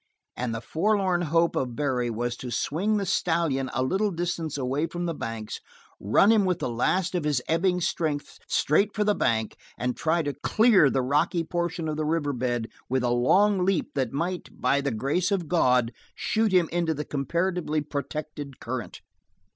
And the forlorn hope of Barry was to swing the stallion a little distance away from the banks, run him with the last of his ebbing strength straight for the bank, and try to clear the rocky portion of the river bed with a long leap that might, by the grace of God, shoot him into the comparatively protected current.